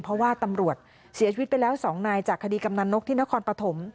เพราะว่าตำรวจเสียชีวิตไปแล้ว๒นายจากคดีกำนันนกที่นครปฐม